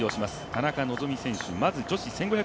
田中希実選手、まず女子１５００ｍ。